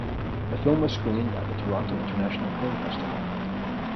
The film was screened at the Toronto International Film Festival.